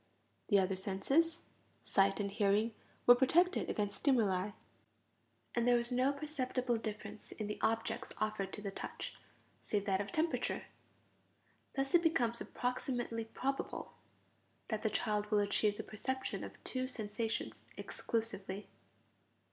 The other senses, sight and hearing, were protected against stimuli; and there was no perceptible difference in the objects offered to the touch save that of temperature. Thus it becomes approximately probable that the child will achieve the perception of two sensations exclusively.